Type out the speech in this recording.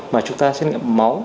mà chúng ta xét nghiệm máu